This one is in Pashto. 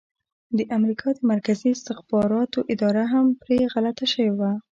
د امریکا د مرکزي استخباراتو اداره هم پرې غلطه شوې وه.